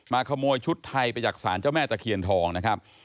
ขโมยชุดไทยไปจากศาลเจ้าแม่ตะเคียนทองนะครับ